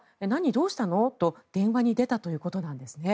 どうしたの？と電話に出たということです。